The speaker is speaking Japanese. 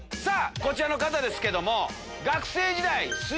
こちらの方ですけども。